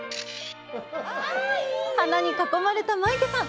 花に囲まれたマイケさん